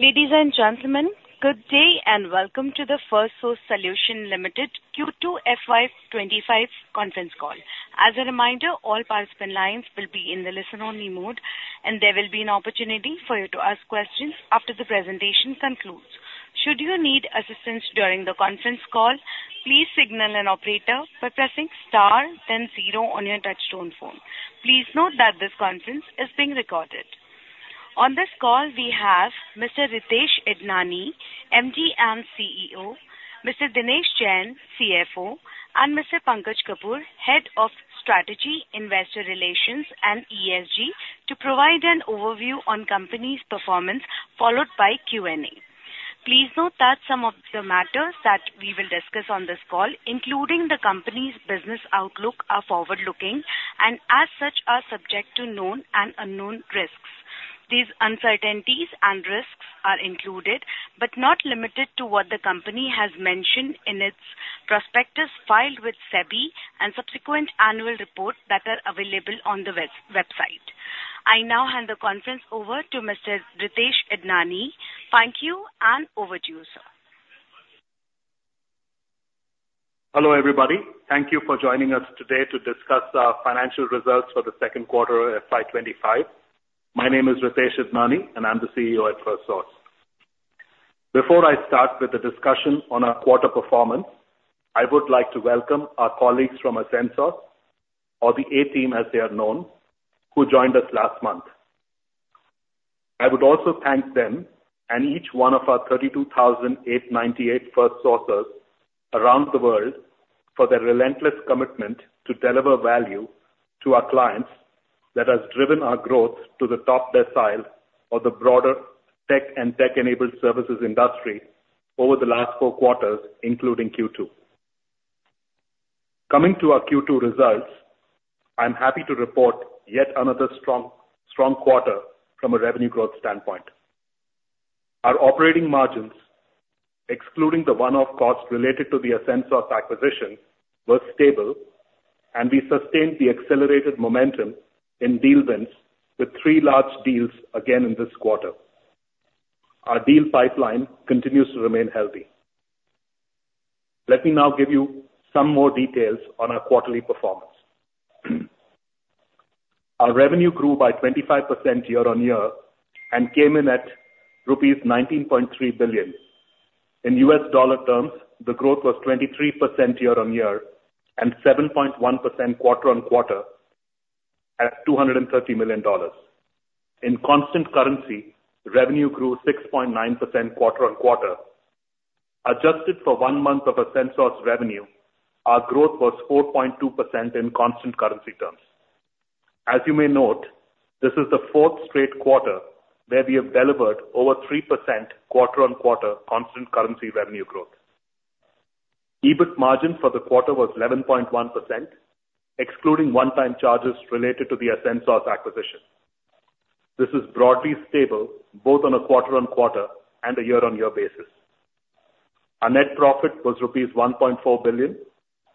Ladies and gentlemen, good day, and welcome to the Firstsource Solutions Limited Q2 FY25 Conference Call. As a reminder, all participant lines will be in the listen-only mode, and there will be an opportunity for you to ask questions after the presentation concludes. Should you need assistance during the conference call, please signal an operator by pressing star then zero on your touchtone phone. Please note that this conference is being recorded. On this call, we have Mr. Ritesh Idnani, MD and CEO, Mr. Dinesh Jain, CFO, and Mr. Pankaj Kapoor, Head of Strategy, Investor Relations, and ESG, to provide an overview on company's performance, followed by Q&A. Please note that some of the matters that we will discuss on this call, including the company's business outlook, are forward-looking, and as such, are subject to known and unknown risks. These uncertainties and risks are included, but not limited to, what the company has mentioned in its prospectus filed with SEBI and subsequent annual report that are available on the website. I now hand the conference over to Mr. Ritesh Idnani. Thank you, and over to you, sir. Hello, everybody. Thank you for joining us today to discuss our financial results for the second quarter of FY25. My name is Ritesh Idnani, and I'm the CEO at Firstsource. Before I start with the discussion on our quarter performance, I would like to welcome our colleagues from Ascensos, or the A team, as they are known, who joined us last month. I would also thank them and each one of our 32,898 Firstsourcers around the world for their relentless commitment to deliver value to our clients that has driven our growth to the top decile of the broader tech and tech-enabled services industry over the last four quarters, including Q2. Coming to our Q2 results, I'm happy to report yet another strong, strong quarter from a revenue growth standpoint. Our operating margins, excluding the one-off costs related to the Ascensos acquisition, were stable, and we sustained the accelerated momentum in deal wins with three large deals again in this quarter. Our deal pipeline continues to remain healthy. Let me now give you some more details on our quarterly performance. Our revenue grew by 25% year-on-year and came in at rupees 19.3 billion. In US dollar terms, the growth was 23% year-on-year and 7.1% quarter-on-quarter at $230 million. In constant currency, revenue grew 6.9% quarter-on-quarter. Adjusted for one month of Ascensos revenue, our growth was 4.2% in constant currency terms. As you may note, this is the fourth straight quarter where we have delivered over 3% quarter-on-quarter constant currency revenue growth. EBIT margin for the quarter was 11.1%, excluding one-time charges related to the Ascensos acquisition. This is broadly stable, both on a quarter-on-quarter and a year-on-year basis. Our net profit was rupees 1.4 billion,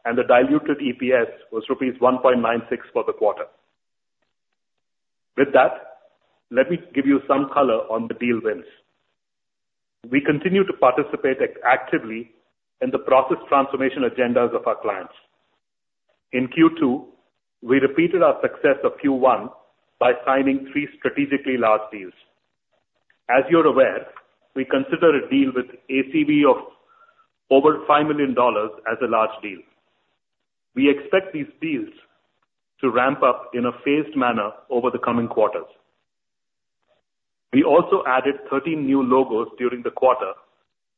and the diluted EPS was rupees 1.96 for the quarter. With that, let me give you some color on the deal wins. We continue to participate actively in the process transformation agendas of our clients. In Q2, we repeated our success of Q1 by signing three strategically large deals. As you're aware, we consider a deal with ACV of over $5 million as a large deal. We expect these deals to ramp up in a phased manner over the coming quarters. We also added 13 new logos during the quarter,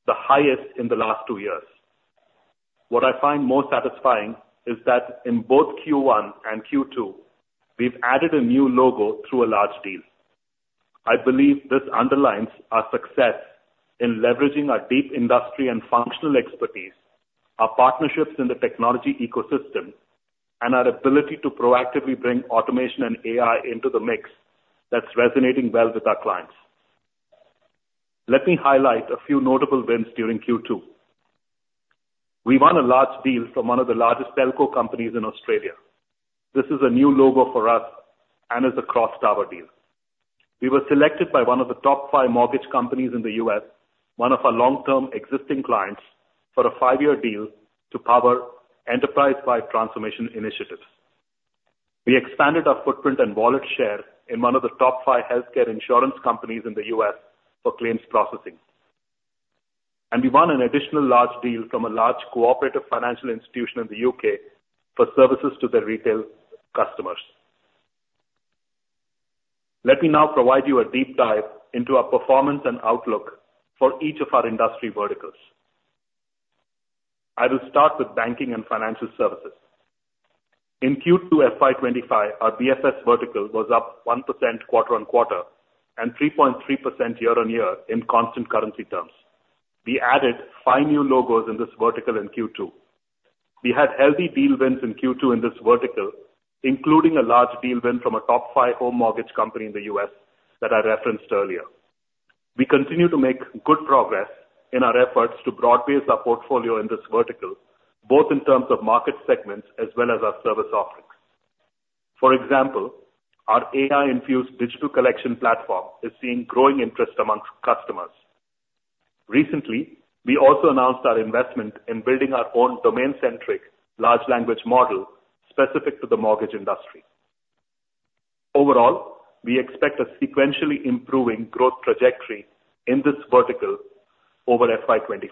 the highest in the last two years. What I find most satisfying is that in both Q1 and Q2, we've added a new logo through a large deal. I believe this underlines our success in leveraging our deep industry and functional expertise, our partnerships in the technology ecosystem, and our ability to proactively bring automation and AI into the mix that's resonating well with our clients. Let me highlight a few notable wins during Q2. We won a large deal from one of the largest telco companies in Australia. This is a new logo for us and is a cross tower deal. We were selected by one of the top five mortgage companies in the U.S., one of our long-term existing clients, for a five-year deal to power enterprise-wide transformation initiatives. We expanded our footprint and wallet share in one of the top five healthcare insurance companies in the U.S. for claims processing. And we won an additional large deal from a large cooperative financial institution in the U.K. for services to their retail customers. Let me now provide you a deep dive into our performance and outlook for each of our industry verticals. I will start with banking and financial services. In Q2 FY 2025, our BFS vertical was up 1% quarter-on-quarter and 3.3% year-on-year in constant currency terms. We added five new logos in this vertical in Q2. We had healthy deal wins in Q2 in this vertical, including a large deal win from a top five home mortgage company in the U.S. that I referenced earlier. We continue to make good progress in our efforts to broadbase our portfolio in this vertical, both in terms of market segments as well as our service offerings. For example, our AI-infused digital collection platform is seeing growing interest among customers. Recently, we also announced our investment in building our own domain-centric large language model specific to the mortgage industry. Overall, we expect a sequentially improving growth trajectory in this vertical over FY25.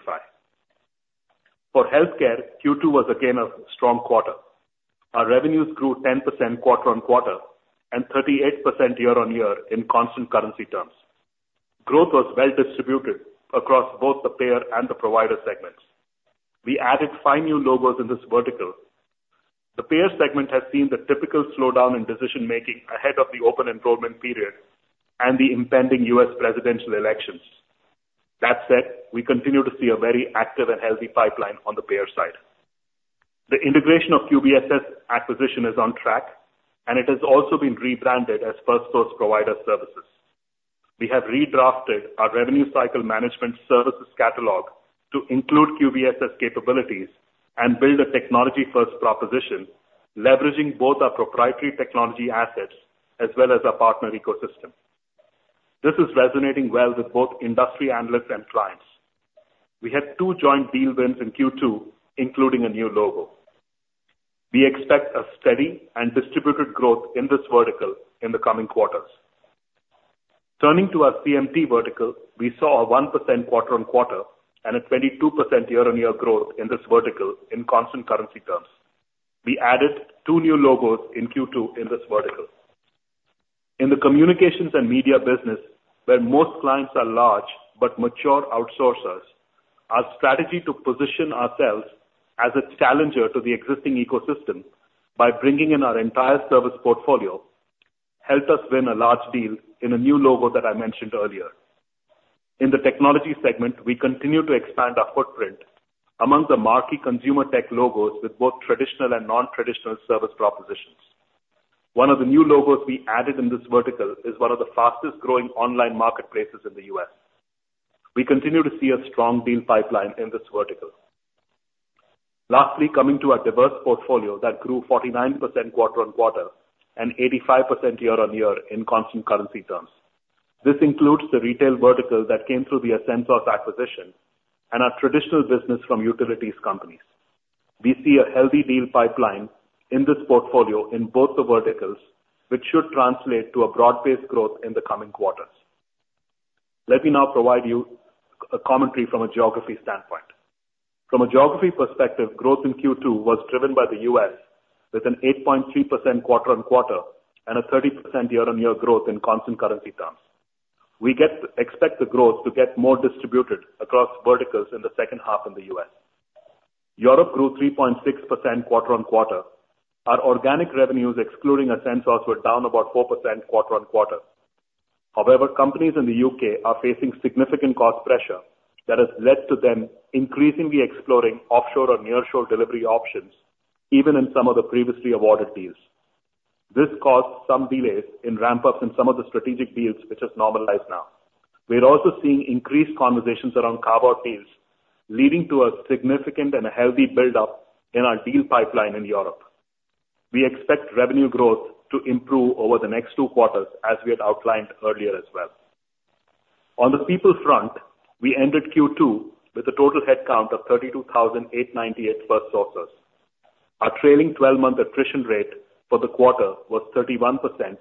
For healthcare, Q2 was again a strong quarter. Our revenues grew 10% quarter on quarter and 38% year on year in constant currency terms. Growth was well distributed across both the payer and the provider segments. We added five new logos in this vertical. The payer segment has seen the typical slowdown in decision making ahead of the open enrollment period and the impending U.S. presidential elections. That said, we continue to see a very active and healthy pipeline on the payer side. The integration of QBSS acquisition is on track, and it has also been rebranded as Firstsource Provider Services. We have redrafted our revenue cycle management services catalog to include QBSS capabilities and build a technology-first proposition, leveraging both our proprietary technology assets as well as our partner ecosystem. This is resonating well with both industry analysts and clients. We had two joint deal wins in Q2, including a new logo. We expect a steady and distributed growth in this vertical in the coming quarters. Turning to our CMT vertical, we saw a 1% quarter on quarter and a 22% year-on-year growth in this vertical in constant currency terms. We added two new logos in Q2 in this vertical. In the communications and media business, where most clients are large but mature outsourcers, our strategy to position ourselves as a challenger to the existing ecosystem by bringing in our entire service portfolio, helped us win a large deal in a new logo that I mentioned earlier. In the technology segment, we continue to expand our footprint among the marquee consumer tech logos with both traditional and non-traditional service propositions. One of the new logos we added in this vertical is one of the fastest growing online marketplaces in the U.S. We continue to see a strong deal pipeline in this vertical. Lastly, coming to our diverse portfolio that grew 49% quarter on quarter and 85% year on year in constant currency terms. This includes the retail vertical that came through the Ascensos acquisition and our traditional business from utilities companies. We see a healthy deal pipeline in this portfolio in both the verticals, which should translate to a broad-based growth in the coming quarters. Let me now provide you a commentary from a geography standpoint. From a geography perspective, growth in Q2 was driven by the U.S., with an 8.3% quarter on quarter and a 30% year-on-year growth in constant currency terms. We expect the growth to get more distributed across verticals in the second half in the U.S. Europe grew 3.6% quarter on quarter. Our organic revenues, excluding Ascensos, were down about 4% quarter on quarter. However, companies in the U.K. are facing significant cost pressure that has led to them increasingly exploring offshore or nearshore delivery options, even in some of the previously awarded deals. This caused some delays in ramp-ups in some of the strategic deals, which has normalized now. We are also seeing increased conversations around carve-out deals, leading to a significant and a healthy buildup in our deal pipeline in Europe. We expect revenue growth to improve over the next two quarters, as we had outlined earlier as well. On the people front, we ended Q2 with a total headcount of 32,898 Firstsourcers. Our trailing twelve-month attrition rate for the quarter was 31%,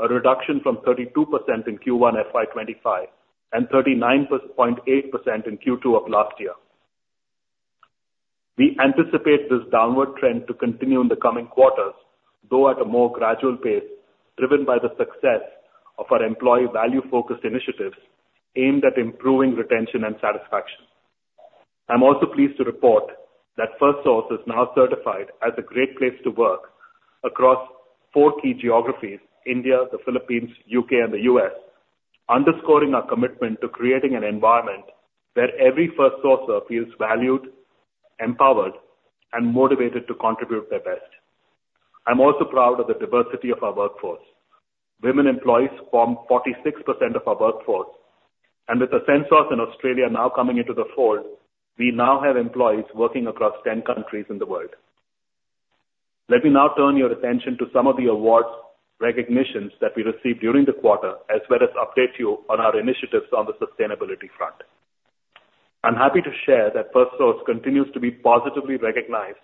a reduction from 32% in Q1 FY25 and 39.8% in Q2 of last year. We anticipate this downward trend to continue in the coming quarters, though at a more gradual pace, driven by the success of our employee value-focused initiatives aimed at improving retention and satisfaction. I'm also pleased to report that Firstsource is now certified as a Great Place to Work across four key geographies India, the Philippines, U.K., and the U.S., underscoring our commitment to creating an environment where every Firstsourcer feels valued, empowered, and motivated to contribute their best. I'm also proud of the diversity of our workforce. Women employees form 46% of our workforce, and with Ascensos in Australia now coming into the fold, we now have employees working across 10 countries in the world. Let me now turn your attention to some of the awards recognitions that we received during the quarter, as well as update you on our initiatives on the sustainability front. I'm happy to share that Firstsource continues to be positively recognized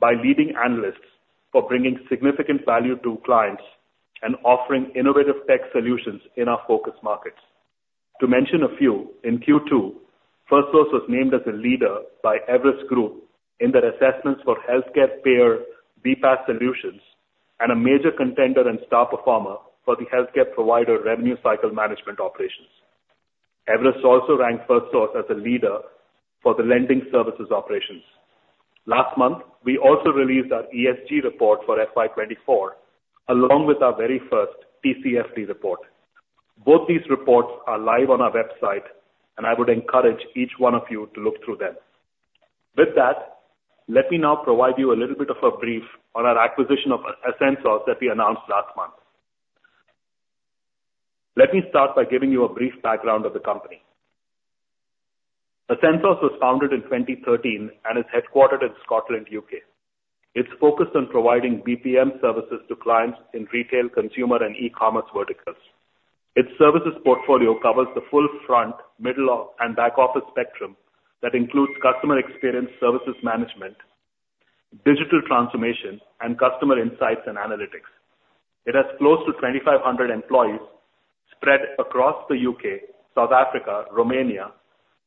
by leading analysts for bringing significant value to clients and offering innovative tech solutions in our focus markets. To mention a few, in Q2, Firstsource was named as a leader by Everest Group in their assessments for healthcare payer BPaaS solutions and a major contender and star performer for the healthcare provider revenue cycle management operations. Everest also ranked Firstsource as a leader for the lending services operations. Last month, we also released our ESG report for FY 2024, along with our very first TCFD report. Both these reports are live on our website, and I would encourage each one of you to look through them. With that, let me now provide you a little bit of a brief on our acquisition of Ascensos that we announced last month. Let me start by giving you a brief background of the company. Ascensos was founded in 2013 and is headquartered in Scotland, U.K. It's focused on providing BPM services to clients in retail, consumer, and e-commerce verticals. Its services portfolio covers the full front, middle, and back office spectrum that includes customer experience services management, digital transformation, and customer insights and analytics.It has close to 2,500 employees spread across the UK, South Africa, Romania,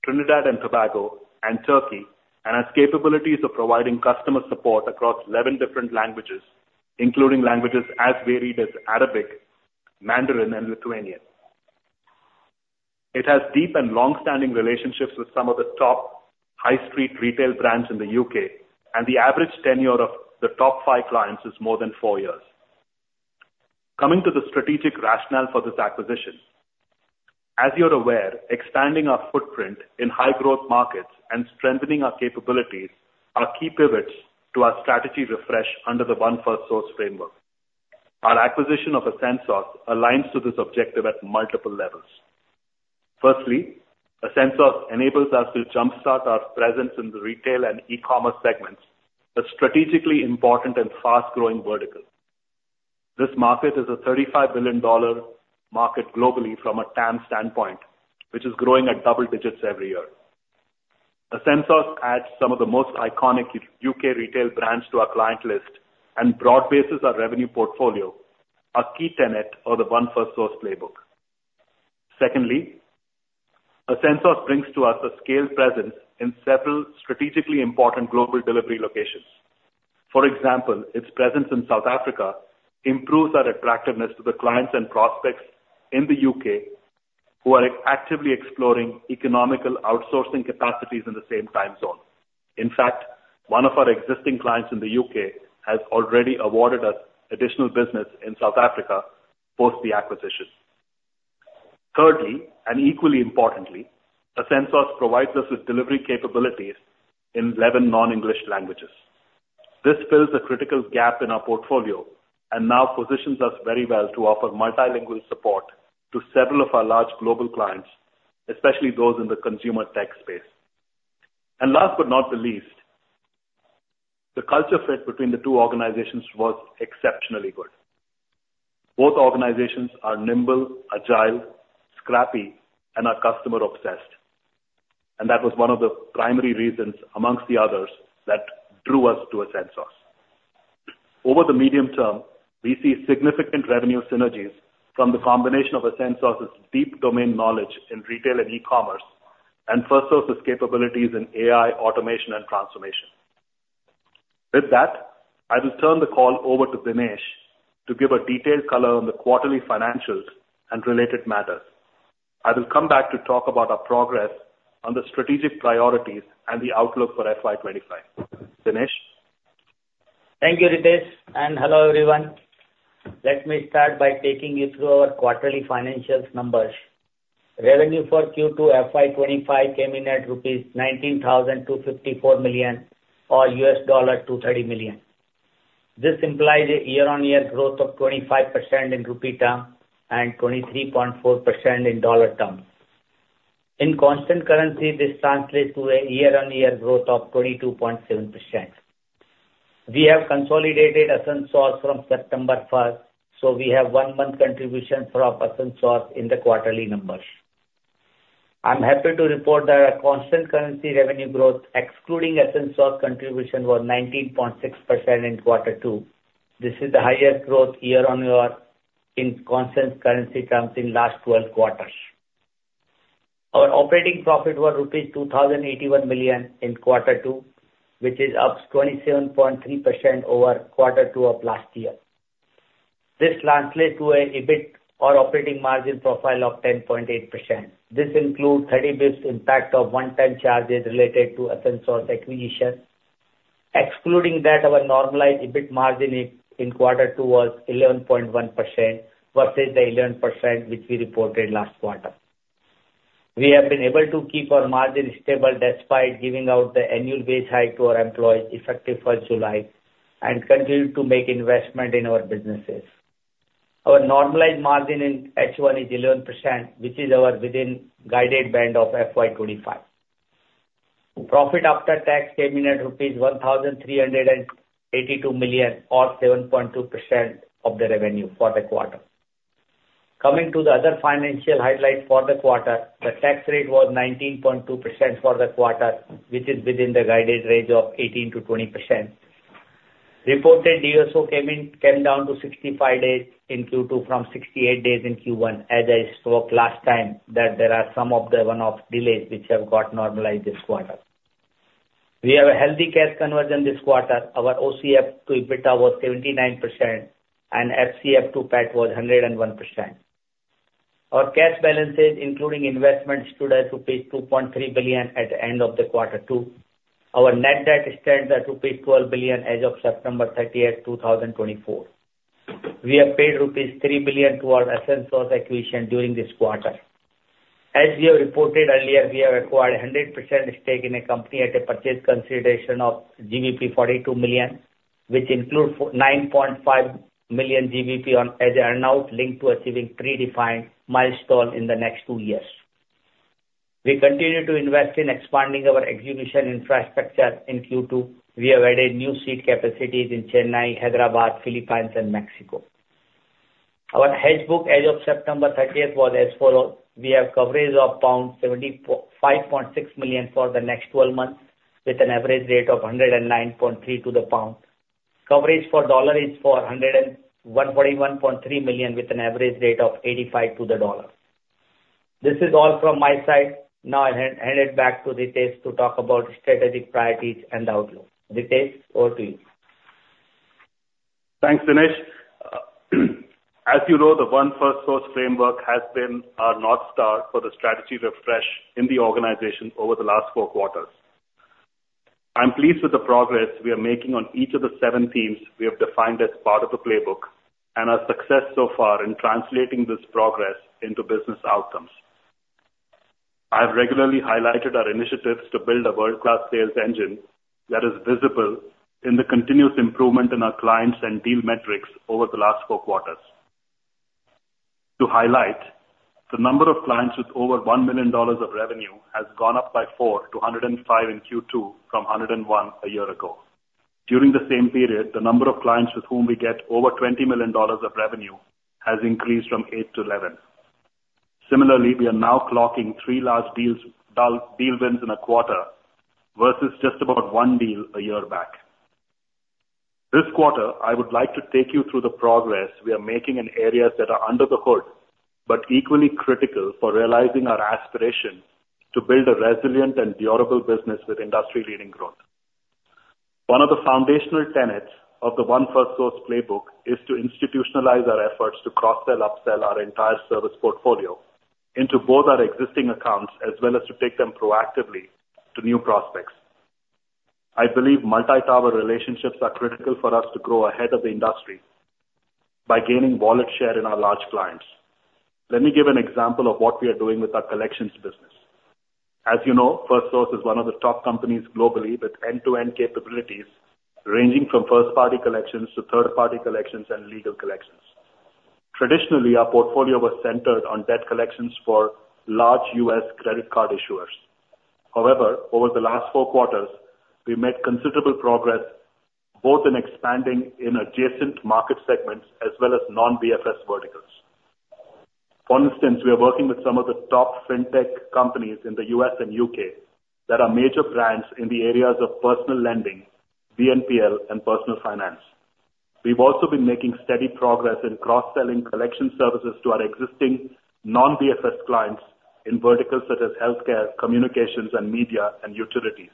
Trinidad and Tobago, and Turkey, and has capabilities of providing customer support across 11 different languages, including languages as varied as Arabic, Mandarin, and Lithuanian. It has deep and long-standing relationships with some of the top high street retail brands in the UK, and the average tenure of the top five clients is more than four years. Coming to the strategic rationale for this acquisition, as you're aware, expanding our footprint in high growth markets and strengthening our capabilities are key pivots to our strategy refresh under the One Firstsource framework. Our acquisition of Ascensos aligns to this objective at multiple levels. Firstly, Ascensos enables us to jumpstart our presence in the retail and e-commerce segments, a strategically important and fast-growing vertical. This market is a $35 billion market globally from a TAM standpoint, which is growing at double digits every year. Ascensos adds some of the most iconic U.K. retail brands to our client list and broad bases our revenue portfolio, a key tenet of the One Firstsource playbook. Secondly, Ascensos brings to us a scaled presence in several strategically important global delivery locations. For example, its presence in South Africa improves our attractiveness to the clients and prospects in the U.K. who are actively exploring economical outsourcing capacities in the same time zone. In fact, one of our existing clients in the U.K. has already awarded us additional business in South Africa post the acquisition. Thirdly, and equally importantly, Ascensos provides us with delivery capabilities in 11 non-English languages. This fills a critical gap in our portfolio and now positions us very well to offer multilingual support to several of our large global clients, especially those in the consumer tech space. Last but not the least, the culture fit between the two organizations was exceptionally good. Both organizations are nimble, agile, scrappy, and are customer obsessed, and that was one of the primary reasons, amongst the others, that drew us to Ascensos. Over the medium term, we see significant revenue synergies from the combination of Ascensos' deep domain knowledge in retail and e-commerce, and Firstsource's capabilities in AI, automation, and transformation. With that, I will turn the call over to Dinesh to give a detailed color on the quarterly financials and related matters. I will come back to talk about our progress on the strategic priorities and the outlook for FY 2025. Dinesh? Thank you, Ritesh, and hello, everyone. Let me start by taking you through our quarterly financials numbers. Revenue for Q2 FY25 came in at rupees 19,254 million, or $230 million. This implies a year-on-year growth of 25% in rupee terms and 23.4% in dollar terms. In constant currency, this translates to a year-on-year growth of 22.7%. We have consolidated Ascensos from September first, so we have one month contribution from Ascensos in the quarterly numbers. I'm happy to report that our constant currency revenue growth, excluding Ascensos contribution, was 19.6% in quarter two. This is the highest growth year-on-year in constant currency terms in last 12 quarters. Our operating profit was rupees 2,081 million in quarter two, which is up 27.3% over quarter two of last year. This translates to an EBIT or operating margin profile of 10.8%. This includes thirty basis points impact of one-time charges related to Ascensos acquisition. Excluding that, our normalized EBIT margin in quarter two was 11.1%, versus the 11% which we reported last quarter. We have been able to keep our margin stable despite giving out the annual base hike to our employees effective first July, and continue to make investment in our businesses. Our normalized margin in H1 is 11%, which is within our guided band of FY25. Profit after tax came in at rupees 1,382 million or 7.2% of the revenue for the quarter. Coming to the other financial highlights for the quarter, the tax rate was 19.2% for the quarter, which is within the guided range of 18%-20%. Reported DSO came down to 65 days in Q2 from 68 days in Q1. As I spoke last time, that there are some of the one-off delays which have got normalized this quarter. We have a healthy cash conversion this quarter. Our OCF to EBITDA was 79%, and FCF to PAT was 101%. Our cash balances, including investments, stood at rupees 2.3 billion at the end of the quarter two. Our net debt stands at rupees 12 billion as of September 30th,2024. We have paid rupees 3 billion toward Ascensos acquisition during this quarter. As we have reported earlier, we have acquired a 100% stake in a company at a purchase consideration of 42 million, which includes 9.5 million GBP as an earn-out linked to achieving predefined milestone in the next two years. We continue to invest in expanding our execution infrastructure in Q2. We have added new seat capacities in Chennai, Hyderabad, Philippines and Mexico. Our hedge book as of September thirtieth was as follows: We have coverage of pound 75.6 million for the next twelve months, with an average rate of 109.3 to the pound. Coverage for dollar is $141.3 million, with an average rate of 85 to the dollar. This is all from my side. Now, I hand it back to Ritesh to talk about strategic priorities and outlook. Ritesh, over to you. Thanks, Dinesh. As you know, the One Firstsource framework has been our North Star for the strategy refresh in the organization over the last four quarters. I'm pleased with the progress we are making on each of the seven teams we have defined as part of the playbook, and our success so far in translating this progress into business outcomes. I've regularly highlighted our initiatives to build a world-class sales engine that is visible in the continuous improvement in our clients and deal metrics over the last four quarters. To highlight, the number of clients with over $1 million of revenue has gone up by four to 105 in Q2 from 101 a year ago. During the same period, the number of clients with whom we get over $20 million of revenue has increased from 8-11.Similarly, we are now clocking three large deals, deal wins in a quarter, versus just about one deal a year back. This quarter, I would like to take you through the progress we are making in areas that are under the hood, but equally critical for realizing our aspiration to build a resilient and durable business with industry-leading growth. One of the foundational tenets of the One Firstsource playbook is to institutionalize our efforts to cross-sell, upsell our entire service portfolio into both our existing accounts, as well as to take them proactively to new prospects. I believe multi-tower relationships are critical for us to grow ahead of the industry by gaining wallet share in our large clients. Let me give an example of what we are doing with our collections business. As you know, Firstsource is one of the top companies globally with end-to-end capabilities, ranging from first party collections to third party collections and legal collections. Traditionally, our portfolio was centered on debt collections for large U.S. credit card issuers. However, over the last four quarters, we've made considerable progress, both in expanding in adjacent market segments as well as non-BFS verticals. For instance, we are working with some of the top fintech companies in the U.S. and U.K. that are major brands in the areas of personal lending, BNPL and personal finance. We've also been making steady progress in cross-selling collection services to our existing non-BFS clients in verticals such as healthcare, communications and media, and utilities.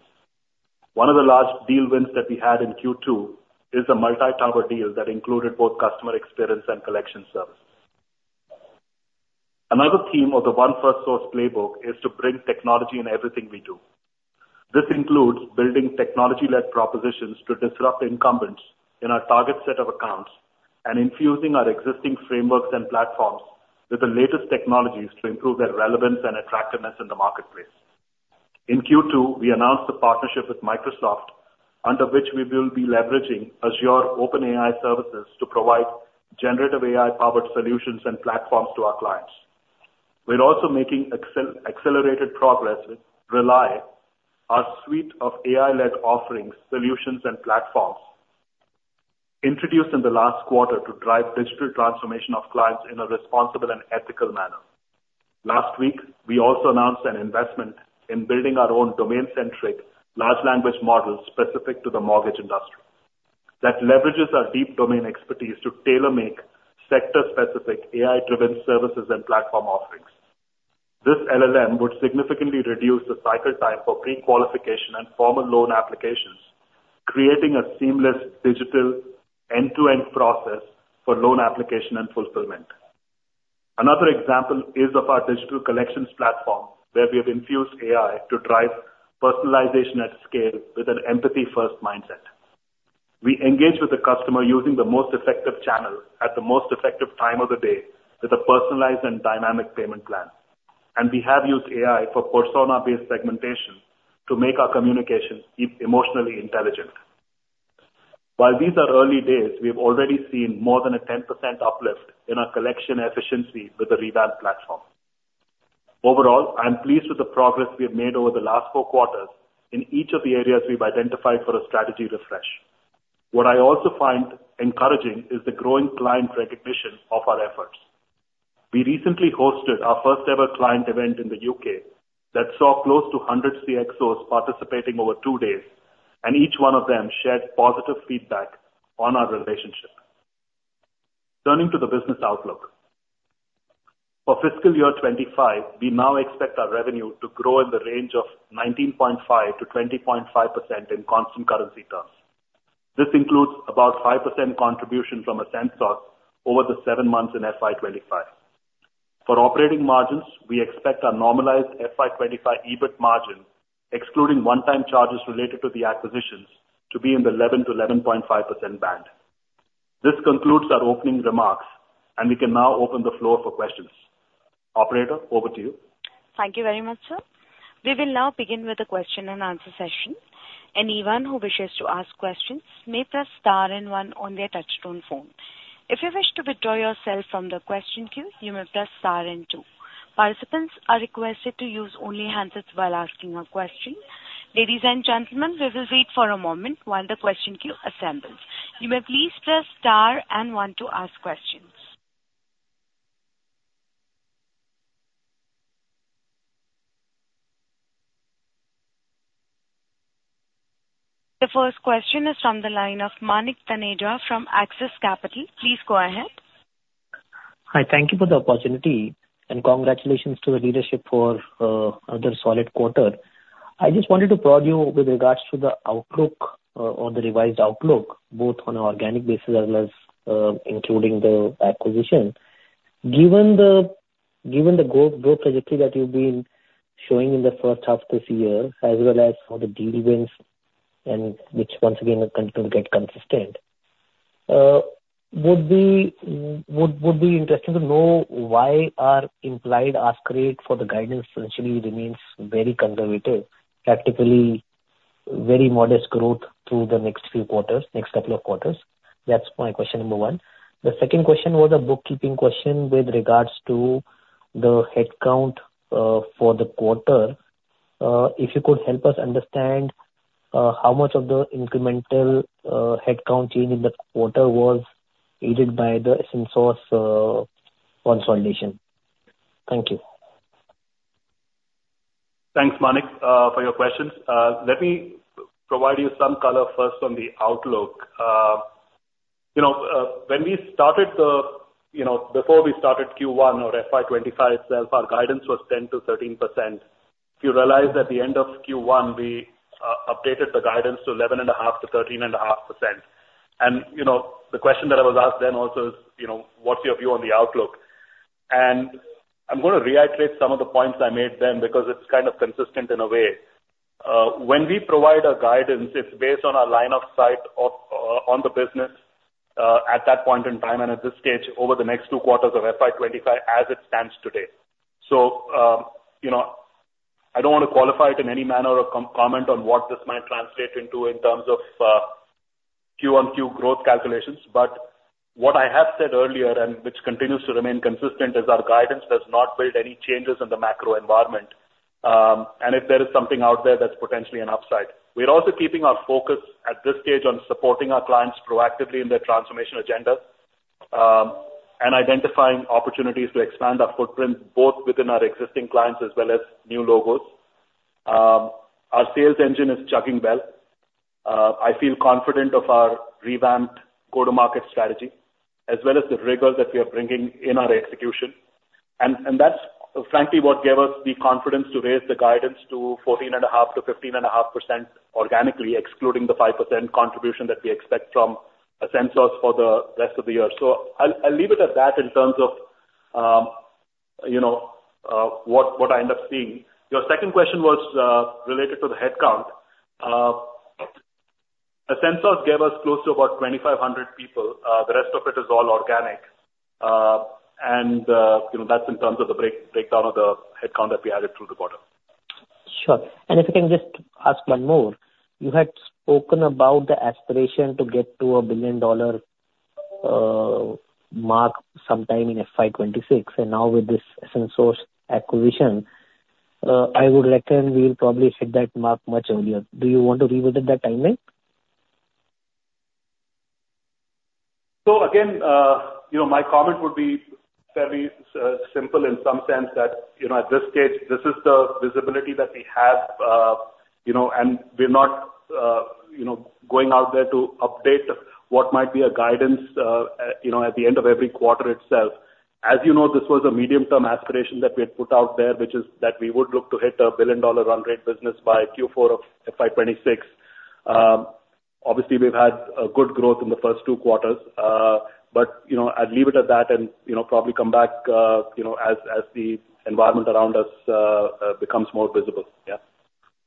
One of the large deal wins that we had in Q2 is a multi-tower deal that included both customer experience and collection services. Another theme of the One Firstsource playbook is to bring technology in everything we do. This includes building technology-led propositions to disrupt incumbents in our target set of accounts, and infusing our existing frameworks and platforms with the latest technologies to improve their relevance and attractiveness in the marketplace. In Q2, we announced a partnership with Microsoft, under which we will be leveraging Azure OpenAI services to provide generative AI-powered solutions and platforms to our clients. We're also making accelerated progress with relY, our suite of AI-led offerings, solutions, and platforms introduced in the last quarter to drive digital transformation of clients in a responsible and ethical manner. Last week, we also announced an investment in building our own domain-centric large language model specific to the mortgage industry, that leverages our deep domain expertise to tailor-make sector-specific AI-driven services and platform offerings. This LLM would significantly reduce the cycle time for pre-qualification and formal loan applications, creating a seamless digital end-to-end process for loan application and fulfillment. Another example is of our digital collections platform, where we have infused AI to drive personalization at scale with an empathy-first mindset. We engage with the customer using the most effective channel at the most effective time of the day, with a personalized and dynamic payment plan, and we have used AI for persona-based segmentation to make our communications emotionally intelligent. While these are early days, we've already seen more than a 10% uplift in our collection efficiency with the revamped platform. Overall, I'm pleased with the progress we've made over the last four quarters in each of the areas we've identified for a strategy refresh. What I also find encouraging is the growing client recognition of our efforts. We recently hosted our first ever client event in the U.K. that saw close to 100 CXOs participating over two days, and each one of them shared positive feedback on our relationship. Turning to the business outlook. For fiscal year 2025, we now expect our revenue to grow in the range of 19.5%-20.5% in constant currency terms. This includes about 5% contribution from Ascensos over the seven months in FY25. For operating margins, we expect our normalized FY25 EBIT margin, excluding one-time charges related to the acquisitions, to be in the 11%-11.5% band.... This concludes our opening remarks, and we can now open the floor for questions. Operator, over to you. Thank you very much, sir. We will now begin with the question and answer session. Anyone who wishes to ask questions may press star and one on their touchtone phone. If you wish to withdraw yourself from the question queue, you may press star and two. Participants are requested to use only handsets while asking a question. Ladies and gentlemen, we will wait for a moment while the question queue assembles. You may please press star and one to ask questions. The first question is from the line of Manik Taneja from Axis Capital. Please go ahead. Hi, thank you for the opportunity, and congratulations to the leadership for another solid quarter. I just wanted to probe you with regards to the outlook or the revised outlook, both on an organic basis as well as including the acquisition. Given the growth trajectory that you've been showing in the first half this year, as well as how the deal wins, and which once again will continue to get consistent, would be interesting to know why our implied ask rate for the guidance essentially remains very conservative, practically very modest growth through the next few quarters, next couple of quarters? That's my question number one. The second question was a bookkeeping question with regards to the headcount for the quarter. If you could help us understand how much of the incremental headcount change in the quarter was aided by the Ascensos consolidation? Thank you. Thanks, Manik, for your questions. Let me provide you some color first on the outlook. You know, before we started Q1 or FY25 itself, our guidance was 10%-13%. If you realize at the end of Q1, we updated the guidance to 11.5%-13.5%. You know, the question that I was asked then also is, you know, "What's your view on the outlook?" I'm gonna reiterate some of the points I made then, because it's kind of consistent in a way. When we provide our guidance, it's based on our line of sight of, on the business, at that point in time, and at this stage, over the next two quarters of FY25 as it stands today. So, you know, I don't want to qualify it in any manner or comment on what this might translate into in terms of Q-on-Q growth calculations. But what I have said earlier, and which continues to remain consistent, is our guidance does not build any changes in the macro environment, and if there is something out there, that's potentially an upside. We're also keeping our focus at this stage on supporting our clients proactively in their transformation agendas, and identifying opportunities to expand our footprint, both within our existing clients as well as new logos. Our sales engine is chugging well. I feel confident of our revamped go-to-market strategy, as well as the rigor that we are bringing in our execution. That's frankly what gave us the confidence to raise the guidance to 14.5%-15.5% organically, excluding the 5% contribution that we expect from Ascensos for the rest of the year. So I'll leave it at that in terms of, you know, what I end up seeing. Your second question was related to the headcount. Ascensos gave us close to about 2,500 people. The rest of it is all organic. And you know, that's in terms of the breakdown of the headcount that we added through the quarter. Sure, and if I can just ask one more. You had spoken about the aspiration to get to a $1 billion mark sometime in FY 2026, and now with this Ascensos acquisition, I would reckon we'll probably hit that mark much earlier. Do you want to revisit that timeline? So again, you know, my comment would be fairly simple in some sense that, you know, at this stage, this is the visibility that we have, you know, and we're not, you know, going out there to update what might be a guidance, you know, at the end of every quarter itself. As you know, this was a medium-term aspiration that we had put out there, which is that we would look to hit a billion-dollar run rate business by Q4 of FY 2026. Obviously, we've had a good growth in the first two quarters. But, you know, I'd leave it at that and, you know, probably come back, you know, as the environment around us becomes more visible. Yeah.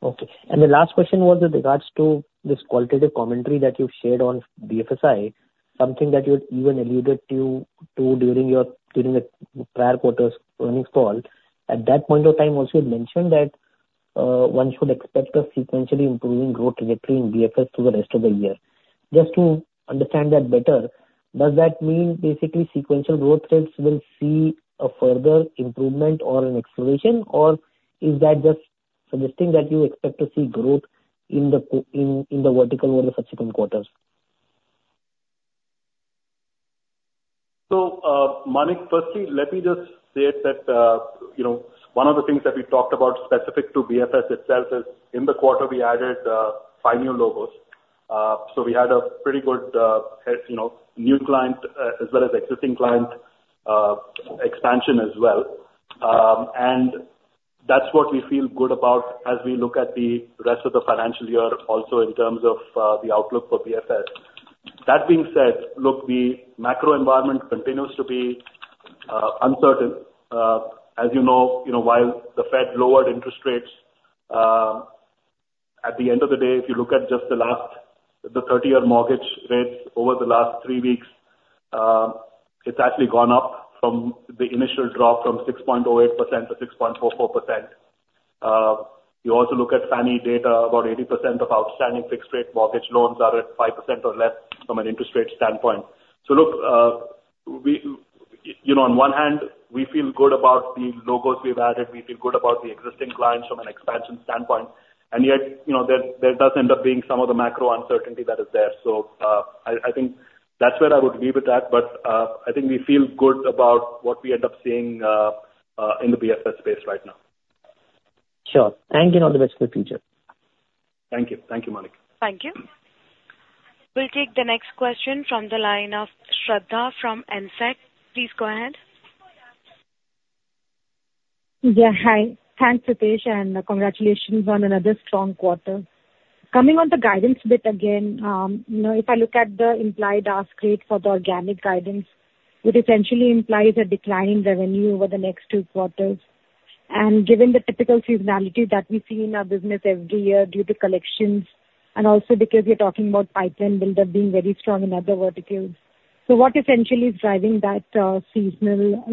Okay. And the last question was with regards to this qualitative commentary that you've shared on BFSI, something that you had even alluded to during the prior quarter's earnings call. At that point of time, also, you mentioned that one should expect a sequentially improving growth trajectory in BFS through the rest of the year. Just to understand that better, does that mean basically sequential growth rates will see a further improvement or an acceleration, or is that just suggesting that you expect to see growth in the vertical over the subsequent quarters? So, Manik, firstly, let me just state that, you know, one of the things that we talked about specific to BFS itself is, in the quarter, we added five new logos. So we had a pretty good, as you know, new client, as well as existing client, expansion as well. And that's what we feel good about as we look at the rest of the financial year also in terms of the outlook for BFS. That being said, look, the macro environment continues to be uncertain. As you know, you know, while the Fed lowered interest rates... At the end of the day, if you look at just the last, the thirty-year mortgage rates over the last three weeks, it's actually gone up from the initial drop from 6.08% to 6.44%. You also look at Fannie data, about 80% of outstanding fixed rate mortgage loans are at 5% or less from an interest rate standpoint. So look, we, you know, on one hand, we feel good about the logos we've added, we feel good about the existing clients from an expansion standpoint, and yet, you know, there does end up being some of the macro uncertainty that is there. So, I think that's where I would leave it at. But, I think we feel good about what we end up seeing in the BFS space right now. Sure. Thank you, and all the best for the future. Thank you. Thank you, Manik. Thank you. We'll take the next question from the line of Shraddha from AMSEC. Please go ahead. Yeah, hi. Thanks, Ritesh, and congratulations on another strong quarter. Coming on the guidance bit again, you know, if I look at the implied ask rate for the organic guidance, it essentially implies a decline in revenue over the next two quarters, and given the typical seasonality that we see in our business every year due to collections, and also because we are talking about pipeline build-up being very strong in other verticals. So what essentially is driving that seasonal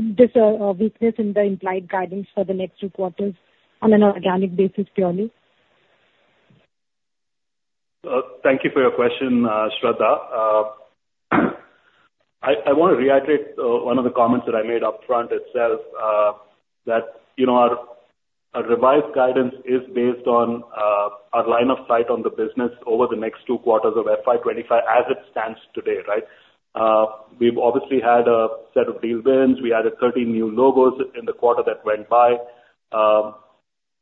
weakness in the implied guidance for the next two quarters on an organic basis, purely? Thank you for your question, Shraddha. I want to reiterate one of the comments that I made up front itself, that, you know, our revised guidance is based on our line of sight on the business over the next two quarters of FY 2025 as it stands today, right? We've obviously had a set of deal wins. We added thirteen new logos in the quarter that went by.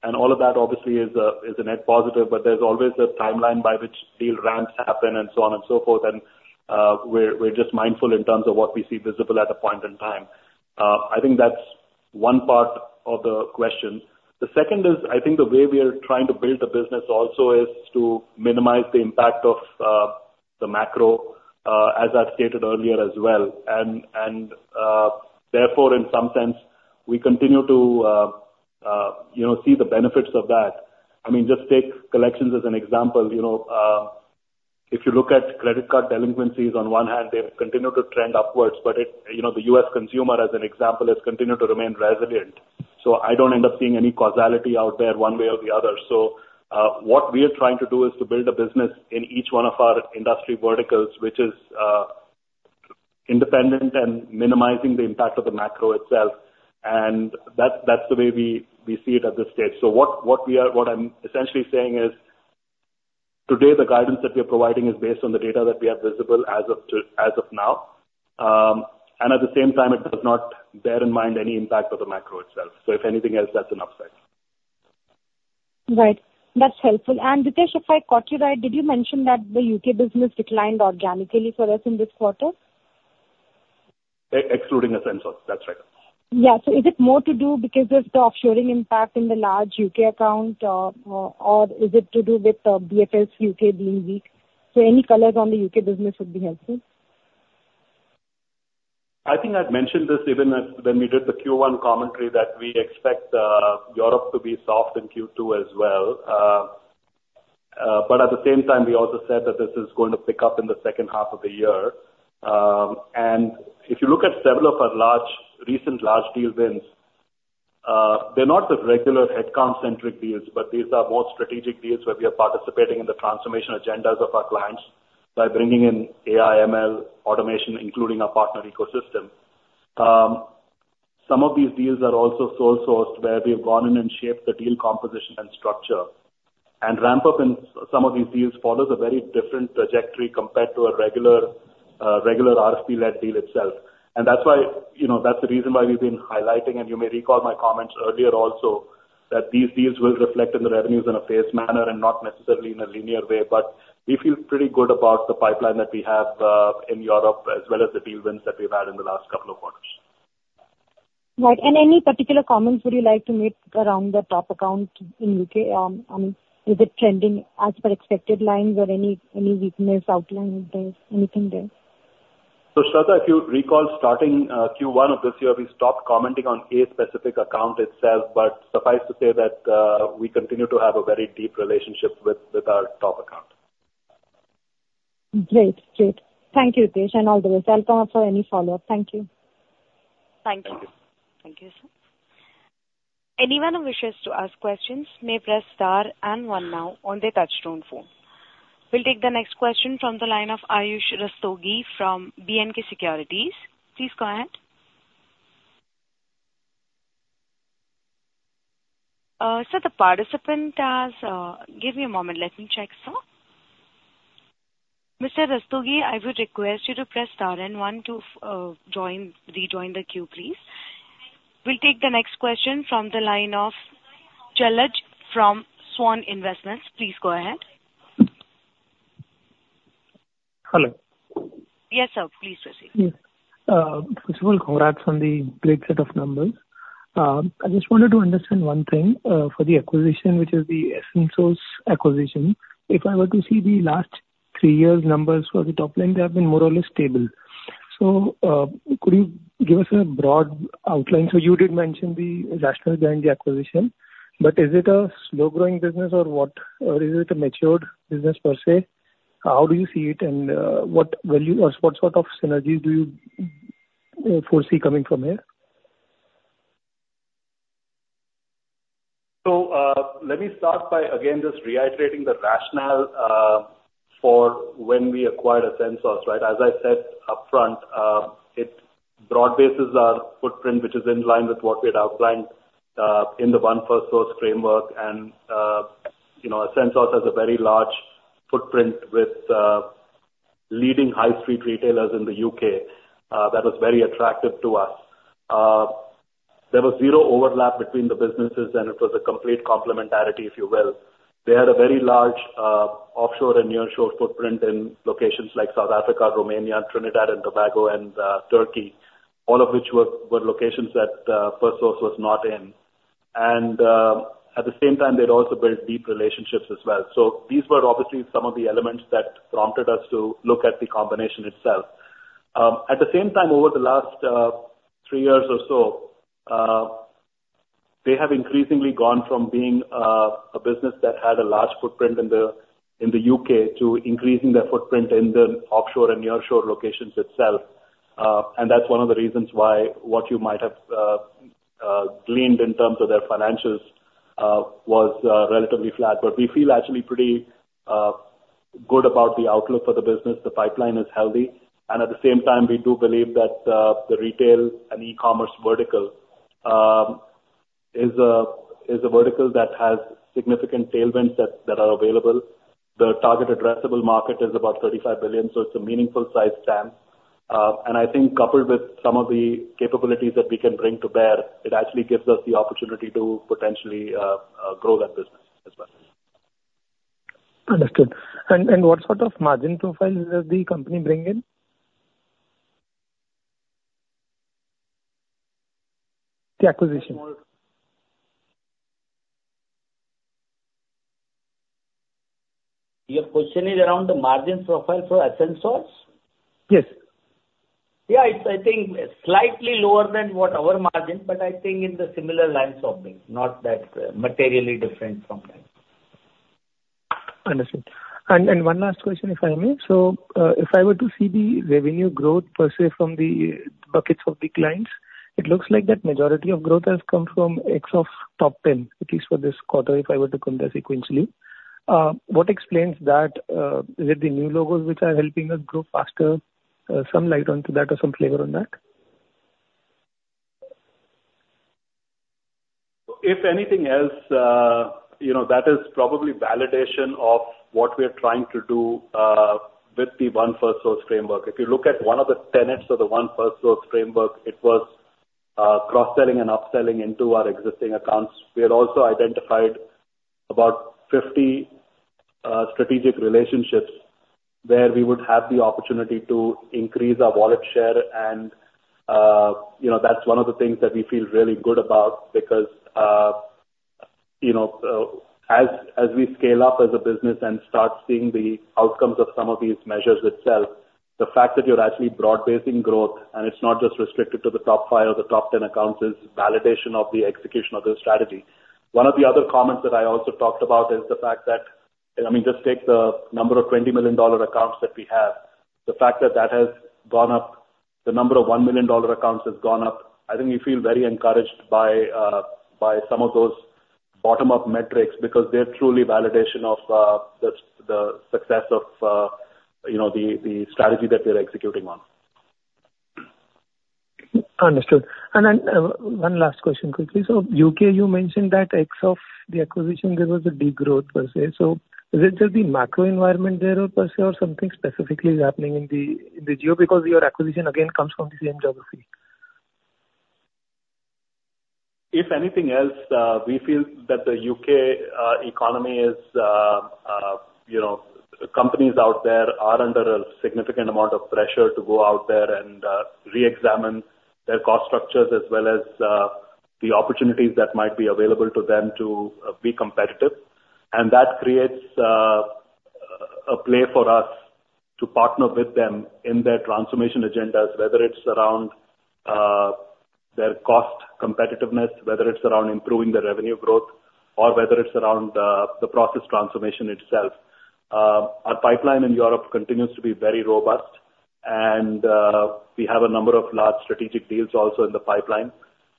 And all of that obviously is a net positive, but there's always a timeline by which deal ramps happen, and so on and so forth, and we're just mindful in terms of what we see visible at a point in time. I think that's one part of the question. The second is, I think the way we are trying to build the business also is to minimize the impact of the macro, as I've stated earlier as well. And you know see the benefits of that. I mean, just take collections as an example, you know, if you look at credit card delinquencies, on one hand they have continued to trend upwards, but you know, the U.S. consumer, as an example, has continued to remain resilient, so I don't end up seeing any causality out there one way or the other. So, what we are trying to do is to build a business in each one of our industry verticals, which is independent and minimizing the impact of the macro itself, and that's the way we see it at this stage. So what I'm essentially saying is, today, the guidance that we are providing is based on the data that we have visible as of today, as of now. And at the same time, it does not bear in mind any impact of the macro itself. So if anything else, that's an upside. Right. That's helpful, and Ritesh, if I caught you right, did you mention that the U.K. business declined organically for us in this quarter? Excluding Ascensos, that's right. Yeah. So is it more to do because of the offshoring impact in the large U.K. account, or is it to do with BFS UK being weak? So any colors on the U.K. business would be helpful. I think I've mentioned this even as when we did the Q1 commentary, that we expect Europe to be soft in Q2 as well, but at the same time, we also said that this is going to pick up in the second half of the year, and if you look at several of our large, recent large deal wins, they're not the regular headcount-centric deals, but these are more strategic deals, where we are participating in the transformation agendas of our clients by bringing in AI, ML automation, including our partner ecosystem. Some of these deals are also sole sourced, where we have gone in and shaped the deal composition and structure, and ramp up in some of these deals follows a very different trajectory compared to a regular, regular RFP-led deal itself. That's why, you know, that's the reason why we've been highlighting, and you may recall my comments earlier also, that these deals will reflect in the revenues in a phased manner and not necessarily in a linear way. We feel pretty good about the pipeline that we have in Europe, as well as the deal wins that we've had in the last couple of quarters. Right. And any particular comments would you like to make around the top account in U.K.? I mean, is it trending as per expected lines or any weakness outlined there, anything there? Shraddha, if you recall, starting Q1 of this year, we stopped commenting on a specific account itself, but suffice to say that we continue to have a very deep relationship with our top account. Great. Great. Thank you, Ritesh, and all the best. I'll call for any follow-up. Thank you. Thank you. Thank you. Thank you, sir. Anyone who wishes to ask questions may press star and one now on their touchtone phone. We'll take the next question from the line of Ayush Rastogi from B&K Securities. Please go ahead. Sir, the participant has... Give me a moment, let me check, sir. Mr. Rastogi, I would request you to press star and one to join, rejoin the queue, please. We'll take the next question from the line of Jalaj from Swan Investments. Please go ahead. Hello? Yes, sir. Please proceed. Yes. First of all, congrats on the great set of numbers. I just wanted to understand one thing, for the acquisition, which is the Ascensos acquisition. If I were to see the last three years' numbers for the top line, they have been more or less stable.... So, could you give us a broad outline? So you did mention the rationale behind the acquisition, but is it a slow-growing business or what? Or is it a matured business, per se? How do you see it? And, what value or what sort of synergies do you, foresee coming from here? So, let me start by again, just reiterating the rationale, for when we acquired Ascensos, right? As I said upfront, it broad-bases our footprint, which is in line with what we had outlined, in the One Firstsource framework. And, you know, Ascensos has a very large footprint with, leading high street retailers in the UK, that was very attractive to us. There was zero overlap between the businesses, and it was a complete complementarity, if you will. They had a very large, offshore and nearshore footprint in locations like South Africa, Romania, Trinidad and Tobago, and, Turkey, all of which were locations that, Firstsource was not in. And, at the same time, they'd also built deep relationships as well. So these were obviously some of the elements that prompted us to look at the combination itself. At the same time, over the last three years or so, they have increasingly gone from being a business that had a large footprint in the U.K. to increasing their footprint in the offshore and nearshore locations itself, and that's one of the reasons why what you might have gleaned in terms of their financials was relatively flat, but we feel actually pretty good about the outlook for the business. The pipeline is healthy, and at the same time, we do believe that the retail and e-commerce vertical is a vertical that has significant tailwinds that are available. The target addressable market is about 35 billion, so it's a meaningful size TAM.And I think coupled with some of the capabilities that we can bring to bear, it actually gives us the opportunity to potentially grow that business as well. Understood. And what sort of margin profile does the company bring in? The acquisition. Your question is around the margin profile for Ascensos? Yes. Yeah, it's, I think, slightly lower than what our margin, but I think in the similar lines of things, not that materially different from that. Understood. And one last question, if I may. So, if I were to see the revenue growth per se from the buckets of the clients, it looks like that majority of growth has come from six of top 10, at least for this quarter, if I were to compare sequentially. What explains that? Is it the new logos which are helping us grow faster? Some light onto that or some flavor on that. So if anything else, you know, that is probably validation of what we are trying to do with the One Firstsource framework. If you look at one of the tenets of the One Firstsource framework, it was cross-selling and upselling into our existing accounts. We had also identified about 50 strategic relationships where we would have the opportunity to increase our wallet share, and, you know, that's one of the things that we feel really good about. Because, you know, as we scale up as a business and start seeing the outcomes of some of these measures itself, the fact that you're actually broad-basing growth, and it's not just restricted to the top five or the top 10 accounts, is validation of the execution of the strategy. One of the other comments that I also talked about is the fact that, I mean, just take the number of $20 million accounts that we have. The fact that that has gone up, the number of $1 million accounts has gone up. I think we feel very encouraged by some of those bottom-up metrics, because they're truly validation of the success of, you know, the strategy that we're executing on. Understood. And then, one last question quickly. So U.K., you mentioned that Ascensos, the acquisition, there was a degrowth per se. So is it just the macro environment there or per se, or something specifically is happening in the geo? Because your acquisition again, comes from the same geography. If anything else, we feel that the U.K. economy is, you know, companies out there are under a significant amount of pressure to go out there and reexamine their cost structures, as well as the opportunities that might be available to them to be competitive. And that creates a play for us to partner with them in their transformation agendas, whether it's around their cost competitiveness, whether it's around improving their revenue growth, or whether it's around the process transformation itself. Our pipeline in Europe continues to be very robust, and we have a number of large strategic deals also in the pipeline.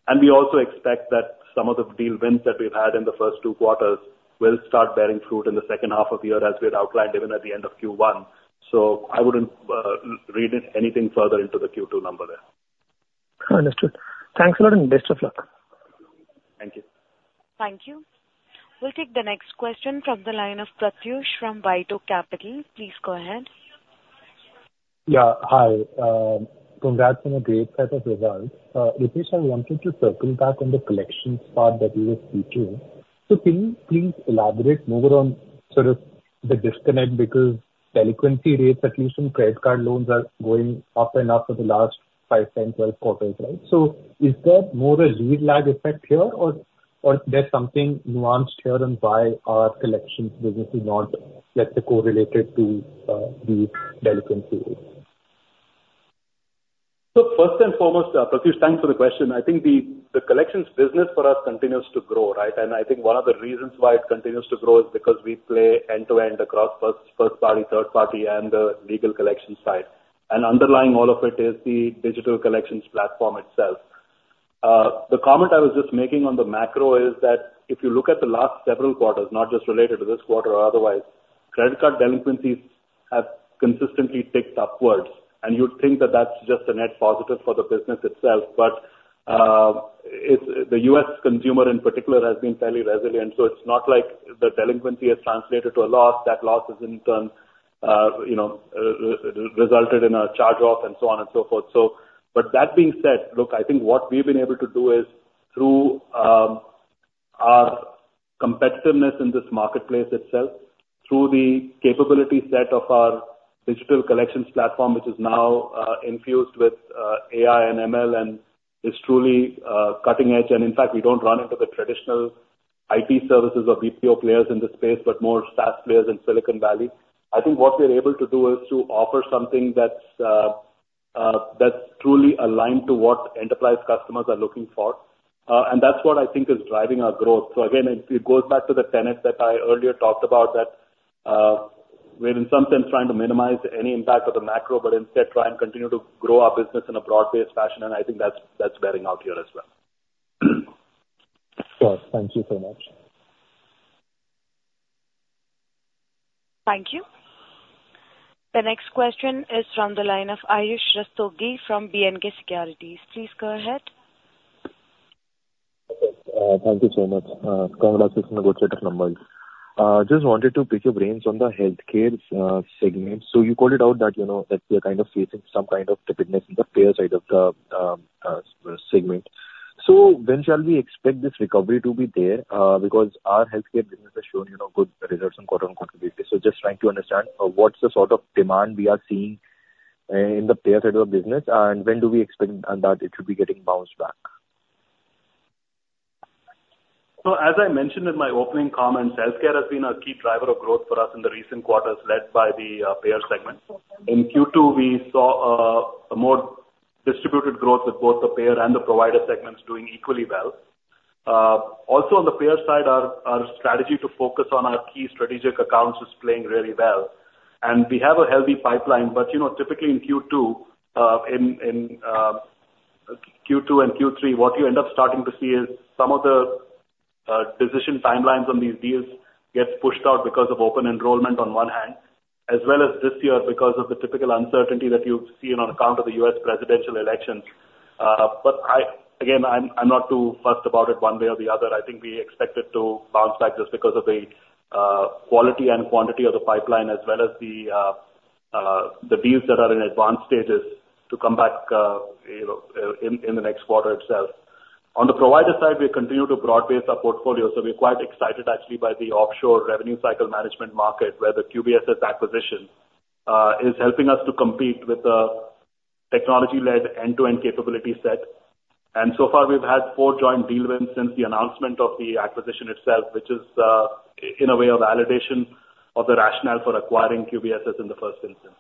And we also expect that some of the deal wins that we've had in the first two quarters will start bearing fruit in the second half of the year, as we had outlined even at the end of Q1. So I wouldn't read it anything further into the Q2 number there. Understood. Thanks a lot, and best of luck. Thank you. Thank you. We'll take the next question from the line of Pratyush from Bay Capital. Please go ahead. Yeah, hi. Congrats on a great set of results. Ritesh, I wanted to circle back on the collections part that you were speaking to. So can you please elaborate more on sort of the disconnect? Because delinquency rates, at least from credit card loans, are going up and up for the last five, 10, 12 quarters, right? So is there more a lag effect here, or there's something nuanced here, and why our collections business is not, like, correlated to the delinquency? Look, first and foremost, Prakash, thanks for the question. I think the collections business for us continues to grow, right? And I think one of the reasons why it continues to grow is because we play end-to-end across first party, third party, and the legal collections side. And underlying all of it is the digital collections platform itself. The comment I was just making on the macro is that if you look at the last several quarters, not just related to this quarter or otherwise, credit card delinquencies have consistently ticked upwards, and you'd think that that's just a net positive for the business itself, but it's the U.S. consumer in particular has been fairly resilient, so it's not like the delinquency has translated to a loss. That loss has in turn, you know, resulted in a charge-off, and so on and so forth. So, but that being said, look, I think what we've been able to do is through our competitiveness in this marketplace itself, through the capability set of our digital collections platform, which is now infused with AI and ML, and is truly cutting edge. And in fact, we don't run into the traditional IT services or BPO players in this space, but more SaaS players in Silicon Valley. I think what we're able to do is to offer something that's truly aligned to what enterprise customers are looking for, and that's what I think is driving our growth. So again, it goes back to the tenet that I earlier talked about, that we're in some sense trying to minimize any impact of the macro, but instead try and continue to grow our business in a broad-based fashion, and I think that's bearing out here as well. Sure. Thank you so much. Thank you. The next question is from the line of Ayush Rastogi from B&K Securities. Please go ahead. Thank you so much. Congratulations on the good set of numbers. Just wanted to pick your brains on the healthcare segment. So you called it out that, you know, that we are kind of facing some kind of timidness in the payer side of the segment. So when shall we expect this recovery to be there? Because our healthcare business has shown, you know, good results on quarter on quarter basis. So just trying to understand what's the sort of demand we are seeing in the payer side of the business, and when do we expect that it should be getting bounced back? So as I mentioned in my opening comments, healthcare has been a key driver of growth for us in the recent quarters, led by the payer segment. In Q2, we saw a more distributed growth with both the payer and the provider segments doing equally well. Also on the payer side, our strategy to focus on our key strategic accounts is playing really well, and we have a healthy pipeline. But you know, typically in Q2 and Q3, what you end up starting to see is some of the decision timelines on these deals get pushed out because of Open Enrollment on one hand, as well as this year, because of the typical uncertainty that you see on account of the U.S. presidential election. But I, again, I'm not too fussed about it one way or the other. I think we expect it to bounce back just because of the quality and quantity of the pipeline, as well as the deals that are in advanced stages to come back, you know, in the next quarter itself. On the provider side, we continue to broad-base our portfolio, so we're quite excited actually by the offshore revenue cycle management market, where the QBSS acquisition is helping us to compete with the technology-led, end-to-end capability set, and so far we've had four joint deal wins since the announcement of the acquisition itself, which is in a way a validation of the rationale for acquiring QBSS in the first instance.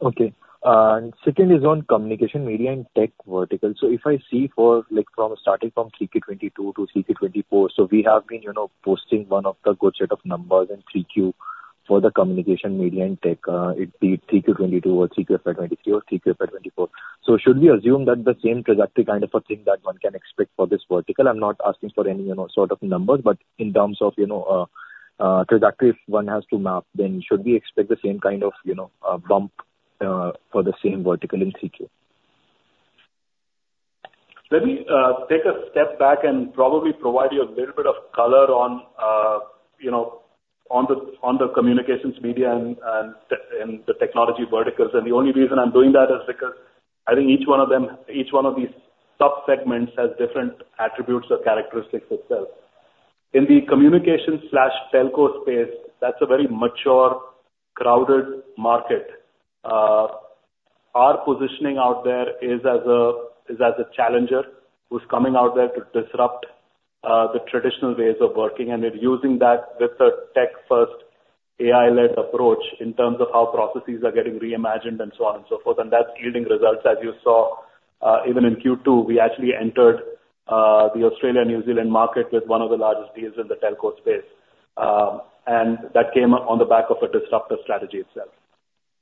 Okay, and second is on communication, media, and tech vertical. So if I see for, like, from starting from 3Q 2022 to 3Q 2024, so we have been, you know, posting one of the good set of numbers in 3Q for the communication, media, and tech, it be 3Q 2022 or 3Q 2023 or 3Q 2024. So should we assume that the same trajectory, kind of, a thing that one can expect for this vertical? I'm not asking for any, you know, sort of numbers, but in terms of, you know, trajectory, if one has to map, then should we expect the same kind of, you know, bump, for the same vertical in 3Q? Let me take a step back and probably provide you a little bit of color on, you know, on the communications, media and the technology verticals. And the only reason I'm doing that is because I think each one of them, each one of these sub-segments has different attributes or characteristics itself. In the communications/telco space, that's a very mature, crowded market. Our positioning out there is as a challenger who's coming out there to disrupt the traditional ways of working, and we're using that with a tech-first, AI-led approach in terms of how processes are getting reimagined, and so on and so forth. And that's yielding results, as you saw, even in Q2, we actually entered the Australia, New Zealand market with one of the largest deals in the telco space. And that came up on the back of a disruptive strategy itself.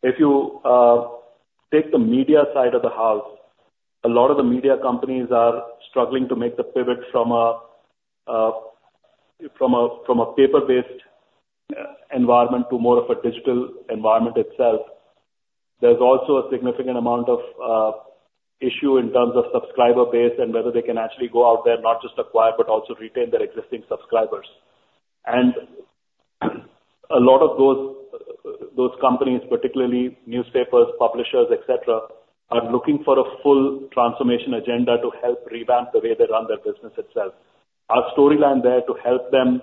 If you take the media side of the house, a lot of the media companies are struggling to make the pivot from a paper-based environment to more of a digital environment itself. There's also a significant amount of issue in terms of subscriber base and whether they can actually go out there, not just acquire, but also retain their existing subscribers. And a lot of those companies, particularly newspapers, publishers, et cetera, are looking for a full transformation agenda to help revamp the way they run their business itself. Our storyline there to help them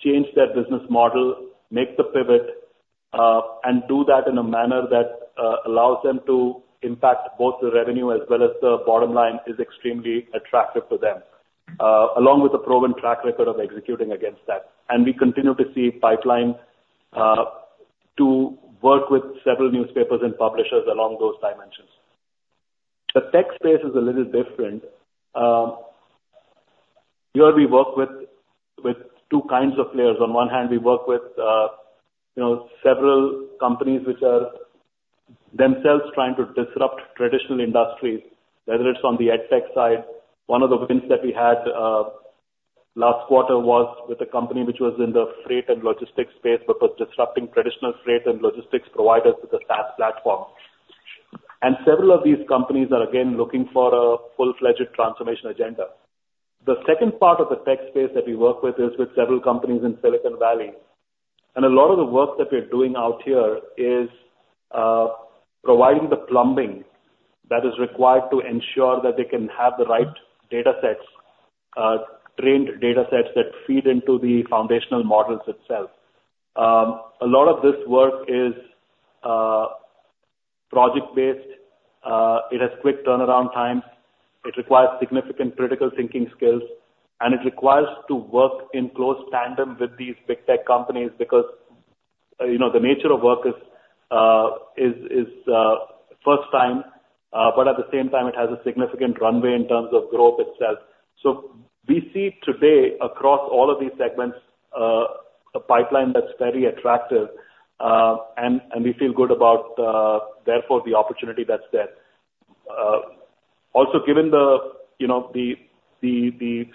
change their business model, make the pivot...And do that in a manner that allows them to impact both the revenue as well as the bottom line, is extremely attractive to them, along with a proven track record of executing against that. And we continue to see pipeline to work with several newspapers and publishers along those dimensions. The tech space is a little different. Here we work with two kinds of players. On one hand, we work with you know, several companies which are themselves trying to disrupt traditional industries, whether it's on the edtech side. One of the wins that we had last quarter was with a company which was in the freight and logistics space, but was disrupting traditional freight and logistics providers with a SaaS platform. And several of these companies are again looking for a full-fledged transformation agenda. The second part of the tech space that we work with is with several companies in Silicon Valley, and a lot of the work that we're doing out here is providing the plumbing that is required to ensure that they can have the right data sets, trained data sets that feed into the foundational models itself. A lot of this work is project-based, it has quick turnaround times, it requires significant critical thinking skills, and it requires to work in close tandem with these big tech companies because, you know, the nature of work is first time, but at the same time it has a significant runway in terms of growth itself. So we see today, across all of these segments, a pipeline that's very attractive, and we feel good about, therefore, the opportunity that's there. Also, given the, you know, the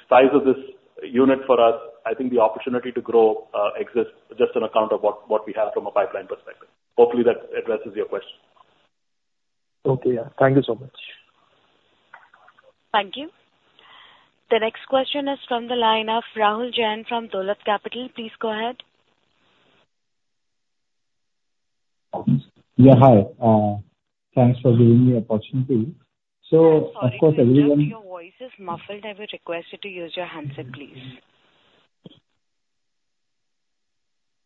size of this unit for us, I think the opportunity to grow exists just on account of what we have from a pipeline perspective. Hopefully, that addresses your question. Okay, yeah. Thank you so much. Thank you. The next question is from the line of Rahul Jain from Dolat Capital. Please go ahead. Yeah, hi. Thanks for giving me the opportunity. So of course, everyone- I'm sorry, sir, your voice is muffled. I would request you to use your handset, please.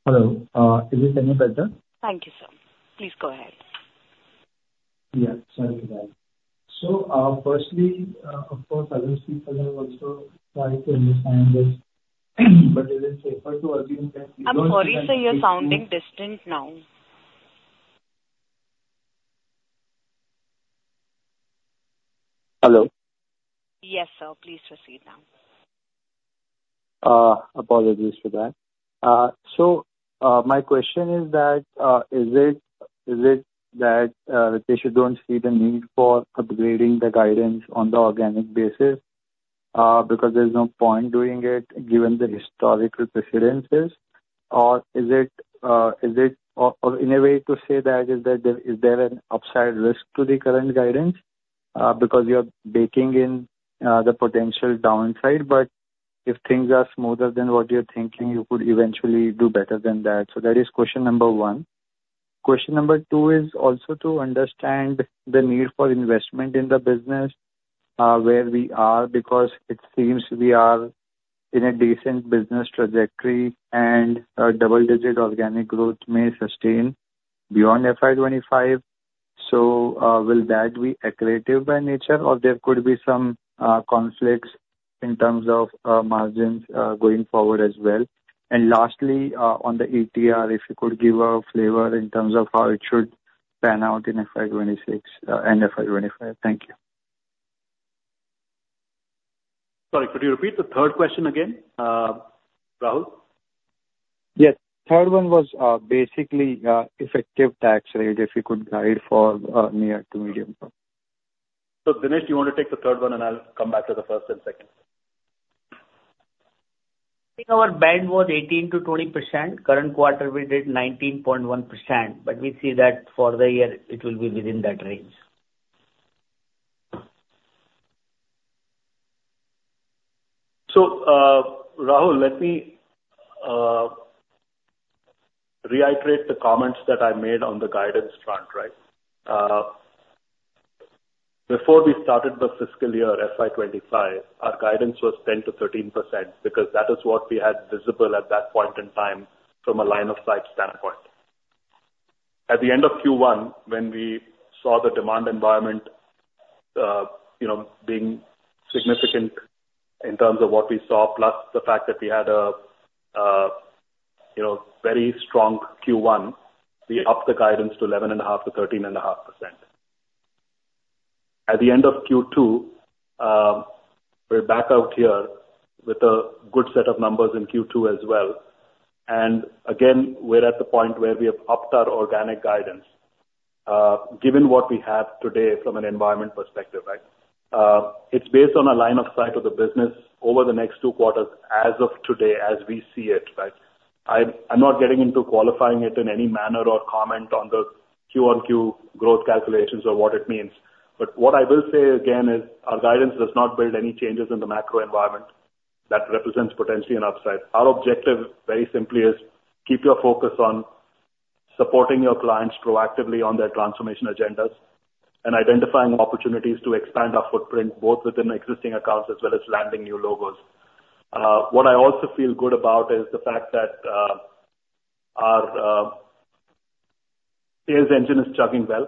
Hello? Is this any better? Thank you, sir. Please go ahead. Yeah, sorry for that, so firstly, of course, other people have also tried to understand this, but it is safer to argue that- I'm sorry, sir, you're sounding distant now. Hello? Yes, sir. Please proceed now. Apologies for that. So, my question is that, is it that Ritesh don't see the need for upgrading the guidance on the organic basis, because there's no point doing it given the historical precedents? Or is it, is it. Or, in a way to say that is that there, is there an upside risk to the current guidance, because you are baking in the potential downside, but if things are smoother than what you're thinking, you could eventually do better than that? So that is question number one. Question number two is also to understand the need for investment in the business, where we are, because it seems we are in a decent business trajectory, and a double-digit organic growth may sustain beyond FY25.Will that be accretive by nature, or there could be some conflicts in terms of margins going forward as well? Lastly, on the ETR, if you could give a flavor in terms of how it should pan out in FY 2026 and FY 2025. Thank you. Sorry, could you repeat the third question again, Rahul? Yes. Third one was, basically, effective tax rate, if you could guide for near to medium term? So, Dinesh, do you want to take the third one, and I'll come back to the first and second? I think our band was 18%-20%. Current quarter, we did 19.1%, but we see that for the year, it will be within that range. Rahul, let me reiterate the comments that I made on the guidance front, right? Before we started the fiscal year, FY25, our guidance was 10%-13%, because that is what we had visible at that point in time from a line of sight standpoint. At the end of Q1, when we saw the demand environment, you know, being significant in terms of what we saw, plus the fact that we had a you know, very strong Q1, we upped the guidance to 11.5%-13.5%. At the end of Q2, we're back out here with a good set of numbers in Q2 as well, and again, we're at the point where we have upped our organic guidance. Given what we have today from an environment perspective, right, it's based on a line of sight of the business over the next two quarters as of today, as we see it, right? I'm not getting into qualifying it in any manner or comment on the Q-on-Q growth calculations or what it means. But what I will say again is our guidance does not build any changes in the macro environment that represents potentially an upside. Our objective, very simply, is keep your focus on supporting your clients proactively on their transformation agendas and identifying opportunities to expand our footprint, both within existing accounts as well as landing new logos. What I also feel good about is the fact that, our sales engine is chugging well.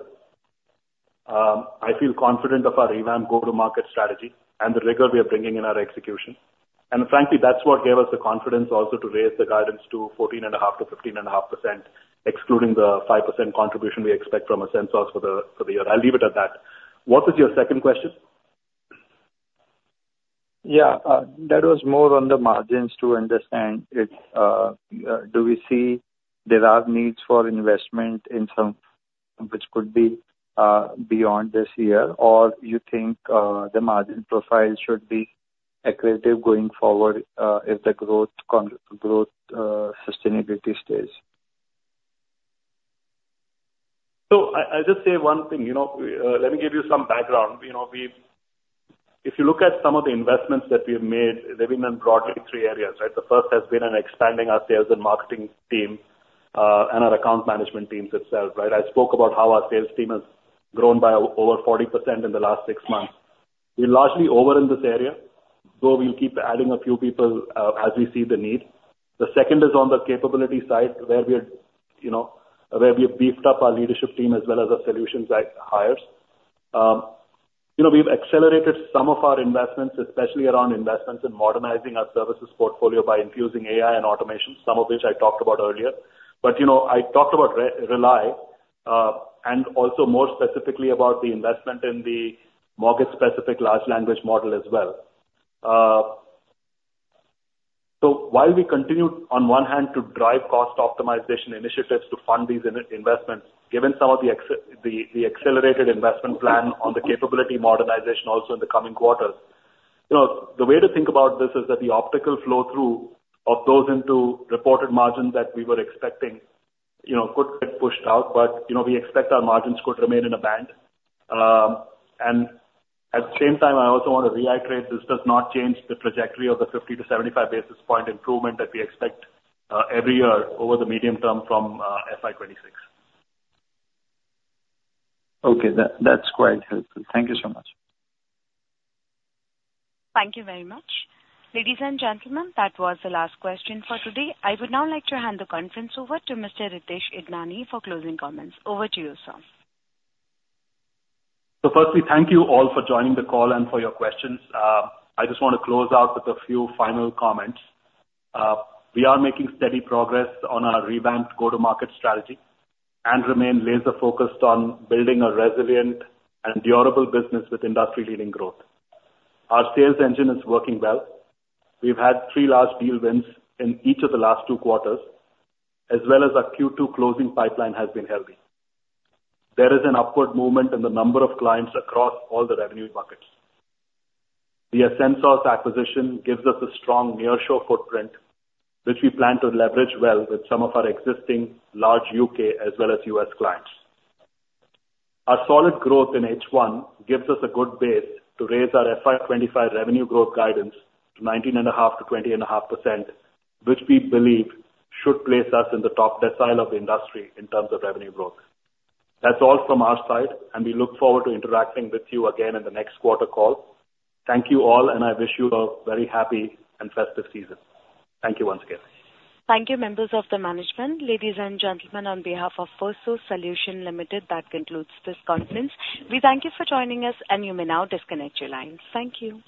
I feel confident of our revamped go-to-market strategy and the rigor we are bringing in our execution. Frankly, that's what gave us the confidence also to raise the guidance to 14.5%-15.5%, excluding the 5% contribution we expect from Ascensos for the year. I'll leave it at that. What was your second question? Yeah. That was more on the margins to understand if do we see there are needs for investment in some, which could be beyond this year? Or you think the margin profile should be accretive going forward if the growth sustainability stays? So, I'll just say one thing, you know, let me give you some background. You know, if you look at some of the investments that we have made, they've been in broadly three areas, right? The first has been in expanding our sales and marketing team and our account management team itself, right? I spoke about how our sales team has grown by over 40% in the last six months. We're largely over in this area, so we'll keep adding a few people as we see the need. The second is on the capability side, where we've, you know, where we have beefed up our leadership team as well as our solutions hires. You know, we've accelerated some of our investments, especially around investments in modernizing our services portfolio by infusing AI and automation, some of which I talked about earlier. But you know, I talked about relY, and also more specifically about the investment in the mortgage-specific large language model as well. So while we continue on one hand to drive cost optimization initiatives to fund these investments, given some of the accelerated investment plan on the capability modernization also in the coming quarters, you know, the way to think about this is that the operational flow-through of those into reported margins that we were expecting, you know, could get pushed out, but you know, we expect our margins could remain in a band. And at the same time, I also want to reiterate, this does not change the trajectory of the 50-75 basis point improvement that we expect every year over the medium term from FY26. Okay. That, that's quite helpful. Thank you so much. Thank you very much. Ladies and gentlemen, that was the last question for today. I would now like to hand the conference over to Mr. Ritesh Idnani for closing comments. Over to you, sir. So firstly, thank you all for joining the call and for your questions. I just want to close out with a few final comments. We are making steady progress on our revamped go-to-market strategy and remain laser focused on building a resilient and durable business with industry-leading growth. Our sales engine is working well. We've had three large deal wins in each of the last two quarters, as well as our Q2 closing pipeline has been healthy. There is an upward movement in the number of clients across all the revenue buckets. The Ascensos acquisition gives us a strong nearshore footprint, which we plan to leverage well with some of our existing large U.K. as well as U.S. clients. Our solid growth in H1 gives us a good base to raise our FY 2025 revenue growth guidance to 19.5%-20.5%, which we believe should place us in the top decile of the industry in terms of revenue growth. That's all from our side, and we look forward to interacting with you again in the next quarter call. Thank you all, and I wish you a very happy and festive season. Thank you once again. Thank you, members of the management. Ladies and gentlemen, on behalf of Firstsource Solutions Limited, that concludes this conference. We thank you for joining us, and you may now disconnect your lines. Thank you.